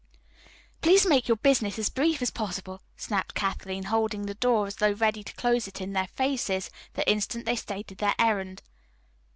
"Please make your business as brief as possible," snapped Kathleen, holding the door as though ready to close it in their faces the instant they stated their errand.